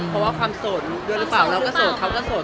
เพราะว่าความโสดด้วยหรือเปล่าเราก็โสดเขาก็โสด